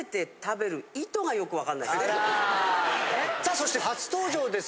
そして初登場ですね